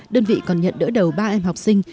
đơn vị còn nhận đỡ đầu ba em học sinh